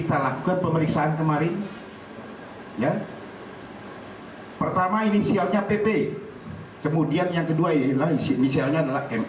dengan penyebaran video asosila